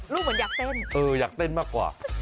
เหมือนอยากเต้นเอออยากเต้นมากกว่า